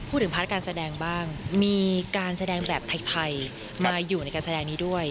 พาร์ทการแสดงบ้างมีการแสดงแบบไทยมาอยู่ในการแสดงนี้ด้วย